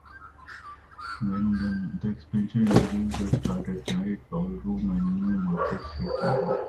The expansion introduced the "Stars at Night" ballroom and the new Market Street lobby.